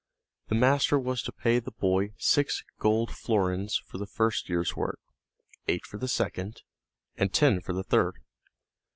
The master was to pay the boy six gold florins for the first year's work, eight for the second, and ten for the third.